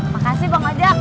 makasih bang ojak